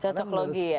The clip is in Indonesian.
cocok logi ya